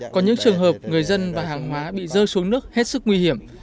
có những trường hợp người dân và hàng hóa bị rơi xuống nước hết sức nguy hiểm